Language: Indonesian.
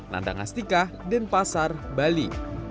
nandang astika dan pasar bali